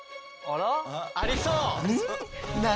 ありそう！